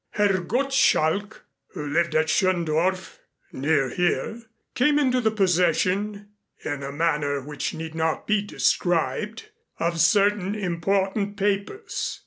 Herr Gottschalk, who lived at Schöndorf near here, came into the possession, in a manner which need not be described, of certain important papers.